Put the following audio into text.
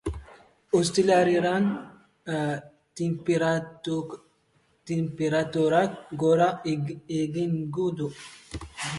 Ostiralean tenperaturak gora egingo du.